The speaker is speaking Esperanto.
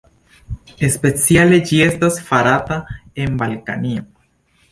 Speciale ĝi estas farata en Balkanio.